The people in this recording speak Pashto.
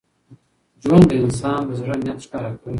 ژوند د انسان د زړه نیت ښکاره کوي.